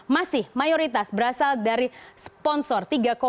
masih mayoritas berasal dari sponsor